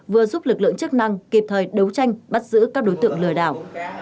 vừa giúp lực lượng chức năng kịp thời đấu tranh bắt giữ các đối tượng lừa đảo